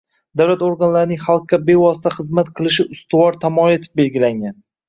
Davlat organlarining xalqqa bevosita xizmat qilishi ustuvor tamoyil etib belgilangan